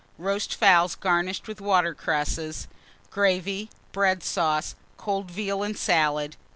Roast fowls garnished with water cresses; gravy, bread sauce; cold veal and salad.